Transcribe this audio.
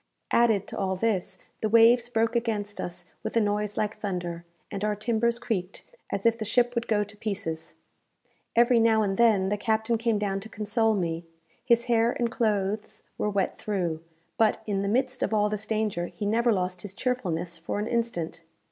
Added to all this, the waves broke against us with a noise like thunder, and our timbers creaked as if the ship would go to pieces. Every now and then, the captain came down to console me. His hair and clothes were wet through; but, in the midst of all this danger, he never lost his cheerfulness for an instant.